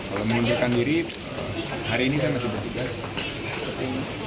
kalau menunjukkan diri hari ini saya masih bertugas